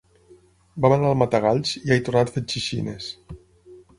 Vam anar al Matagalls i he tornat fet xixines.